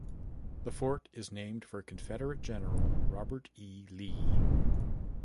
The fort is named for Confederate General Robert E. Lee.